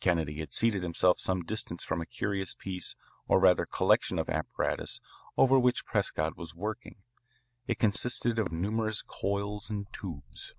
Kennedy had seated himself some distance from a curious piece or rather collection of apparatus over which Prescott was working. It consisted of numerous coils and tubes.